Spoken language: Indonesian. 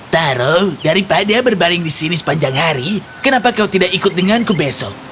taro daripada berbaring di sini sepanjang hari kenapa kau tidak ikut denganku besok